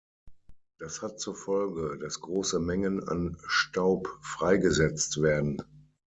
Das hat zur Folge, dass große Mengen an Staub freigesetzt werden.